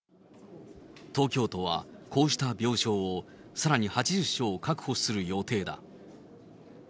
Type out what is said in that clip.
東京都はこうした病床をさらに８０床確保する予定だ。